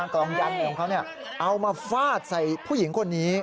กล่องยันของเขาเอามาฟาดใส่ผู้หญิงคนนี้